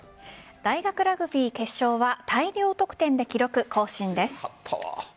大学ラグビー決勝は大量得点で記録更新です。